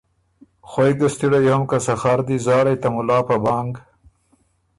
خوئ ګه ستِړئ هوم، که سخر دی زاړئ ته مُلا په بانګ